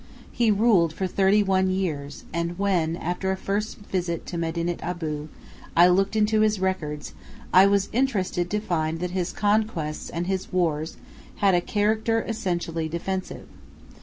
He ruled for thirty one years, and when, after a first visit to Medinet Abu, I looked into his records, I was interested to find that his conquests and his wars had "a character essentially defensive."